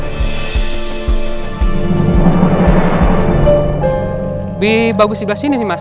lebih bagus di sebelah sini nih mas